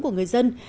của người dân